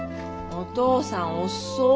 お父さん遅い。